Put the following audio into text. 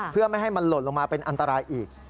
เพื่อไม่ให้มันหล่นลงมาเป็นอันตรายอีก